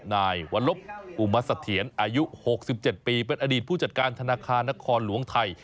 นายวัลลบอุมสะเทียนอายุ๖๗ปีเป็นอดีตผู้จัดการธนาคารนครหลวงไทย